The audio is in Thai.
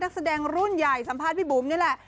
นักแสดงรุ่นใหญ่สัมภาษณ์พี่บุ๋มนี่แหละ